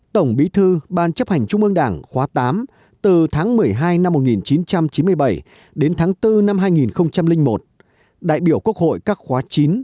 tổng bí thư ban chấp hành trung ương đảng khóa tám từ tháng một mươi hai năm một nghìn chín trăm chín mươi bảy đến tháng bốn năm hai nghìn một đại biểu quốc hội các khóa chín một mươi